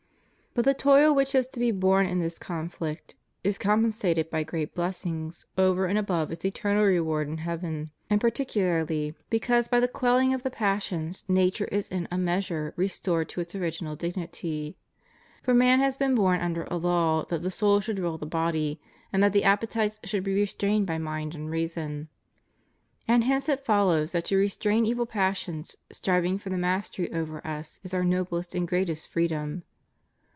But the toil which has to be borne in this conflict is com pensated by great blessings over and above its eternal reward in heaven; and particularly because by the quell »2 Cor. iv, 10. 'Seea. v. can, 6. THE RIGHT ORDERING OF CHRISTIAN LIFE. 171 ing of the passions, nature is in a measure restored to its original dignity. For man has been born under a law that the soul should rule the body, and that the appetites should be restrained by mind and reason; and hence it follows that to restrain evil passions striving for the mastery over us is our noblest and greatest freedom.